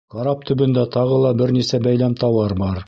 — Карап төбөндә тағы ла бер нисә бәйләм тауар бар.